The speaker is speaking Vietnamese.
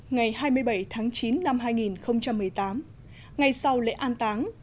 ngày hai mươi bảy tháng chín năm hai nghìn một mươi tám ngay sau lễ an táng